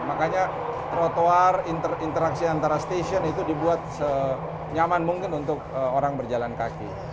makanya trotoar interaksi antara stasiun itu dibuat senyaman mungkin untuk orang berjalan kaki